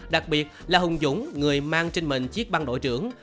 đặc biệt là hùng dũng người mang trên mình chiếc băng đội trưởng